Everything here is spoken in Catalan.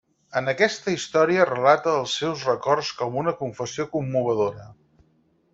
En aquesta història relata els seus records com una confessió commovedora.